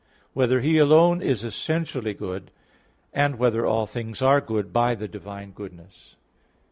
(3) Whether He alone is essentially good? (4) Whether all things are good by the divine goodness?